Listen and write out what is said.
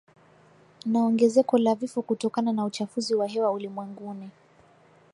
na ongezeko la vifo kutokana na uchafuzi wa hewa ulimwenguni